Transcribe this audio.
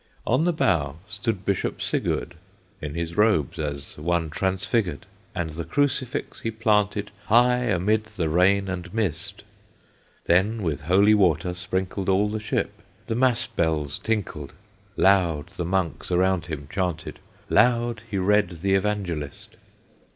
On the bow stood Bishop Sigurd, In his robes, as one transfigured, And the Crucifix he planted High amid the rain and mist. Then with holy water sprinkled All the ship; the mass bells tinkled; Loud the monks around him chanted, Loud he read the Evangelist.